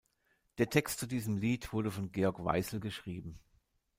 Der Text zu diesem Lied wurde von Georg Weissel geschrieben.